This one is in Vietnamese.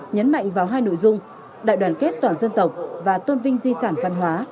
nhấn mạnh vào hai nội dung đại đoàn kết toàn dân tộc và tôn vinh di sản văn hóa